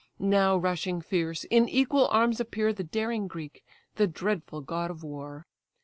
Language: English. Now rushing fierce, in equal arms appear The daring Greek, the dreadful god of war!